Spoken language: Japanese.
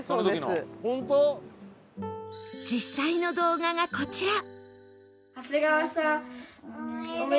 実際の動画がこちら